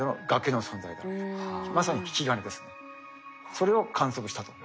それを観測したと。